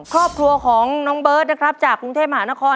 ครอบครัวของน้องเบิร์ตนะครับจากกรุงเทพมหานคร